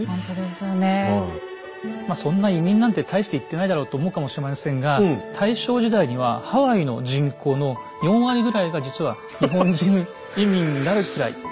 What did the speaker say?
そんな移民なんて大して行ってないだろうと思うかもしれませんが大正時代にはハワイの人口の４割ぐらいが実は日本人移民になるくらい。